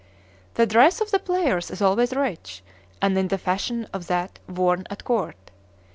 ] The dress of the players is always rich, and in the fashion of that worn at court.